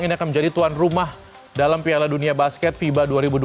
ini akan menjadi tuan rumah dalam piala dunia basket fiba dua ribu dua puluh